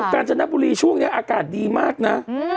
การจนบุรีช่วงนี้อากาศดีมากนะ